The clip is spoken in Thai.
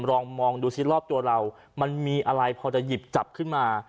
ลองมองดูซิรอบตัวเรามันมีอะไรพอจะหยิบจับขึ้นมา